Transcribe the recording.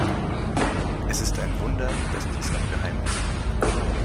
Es ist ein Wunder, dass dies noch geheim ist.